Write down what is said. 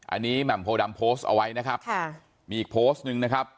อันนี้แหม่มโพดำโพสต์เอาไว้นะครับค่ะมีอีกโพสต์หนึ่งนะครับ